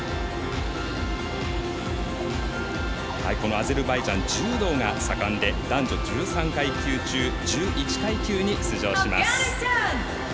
アゼルバイジャンは柔道が盛んで男女１３階級中１１階級に出場します。